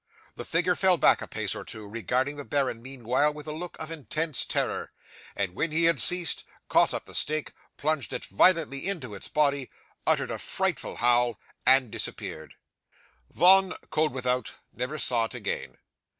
'The figure fell back a pace or two, regarding the baron meanwhile with a look of intense terror, and when he had ceased, caught up the stake, plunged it violently into its body, uttered a frightful howl, and disappeared. 'Von Koeldwethout never saw it again.